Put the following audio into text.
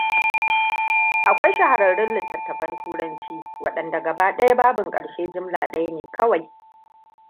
Akwai shahararrun litattafan turanci waɗanda gaba ɗaya babin ƙarshe jimla ɗaya ne kawai.